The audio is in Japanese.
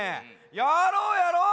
やろうやろう！